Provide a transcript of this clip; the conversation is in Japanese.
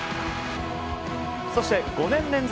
そして５年連続